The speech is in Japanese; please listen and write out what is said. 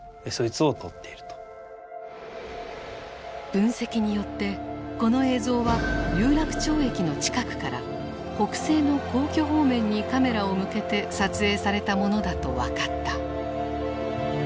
分析によってこの映像は有楽町駅の近くから北西の皇居方面にカメラを向けて撮影されたものだと分かった。